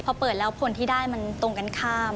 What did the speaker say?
พอเปิดแล้วผลที่ได้มันตรงกันข้าม